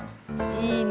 いいね。